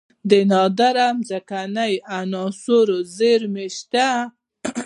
د نادره ځمکنۍ عناصرو زیرمې شته